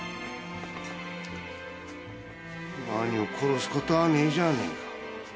何も殺すこたぁねえじゃねえか。